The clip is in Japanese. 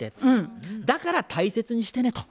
だから大切にしてね」と。